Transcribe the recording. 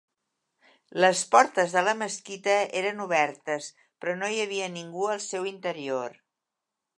Les portes de la mesquita eren obertes, però no hi havia ningú al seu interior.